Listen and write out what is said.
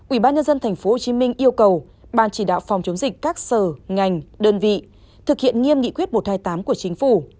ubnd tp hcm yêu cầu ban chỉ đạo phòng chống dịch các sở ngành đơn vị thực hiện nghiêm nghị quyết một trăm hai mươi tám của chính phủ